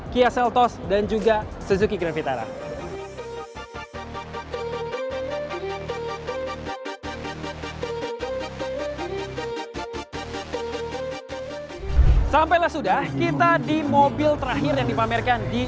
kia seltos dan juga suzuki grand vitara sampailah sudah kita di mobil terakhir yang dipamerkan di